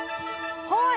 はい！